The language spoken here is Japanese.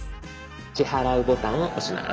「支払う」ボタンを押します。